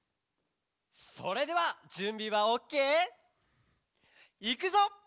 それではじゅんびはオッケー？いくぞ！